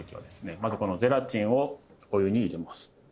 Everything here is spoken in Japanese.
まずこのゼラチンをお湯に入れます。